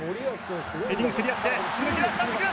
ヘディングすり合って抜け出した抜け出した！